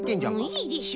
いいでしょ。